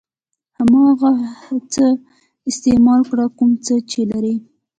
هماغه څه استعمال کړه کوم څه چې لرئ.